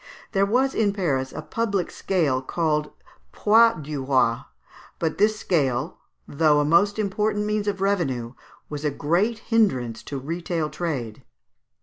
There was in Paris a public scale called poids du roi; but this scale, though a most important means of revenue, was a great hindrance to retail trade.